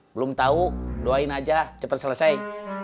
belum tahu doain aja cepat selesai